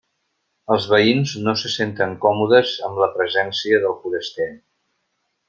Els veïns no se senten còmodes amb la presència del foraster.